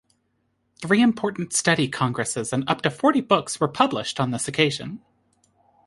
Three important study congresses and up to forty books were published on this occasion.